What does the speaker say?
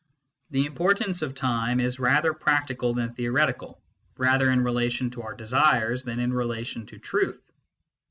The importance of time is rather practical than theoretical, rather in relation to our desires than in relation to truth.